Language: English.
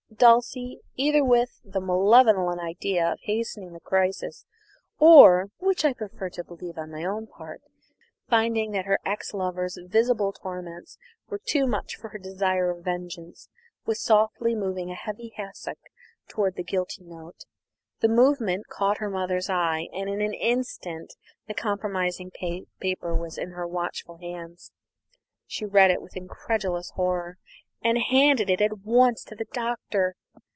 Dulcie, either with the malevolent idea of hastening the crisis, or (which I prefer to believe for my own part) finding that her ex lover's visible torments were too much for her desire of vengeance, was softly moving a heavy hassock towards the guilty note. The movement caught her mother's eye, and in an instant the compromising paper was in her watchful hands. She read it with incredulous horror, and handed it at once to the Doctor.